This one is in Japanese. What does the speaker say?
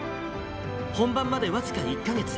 本番まで僅か１か月。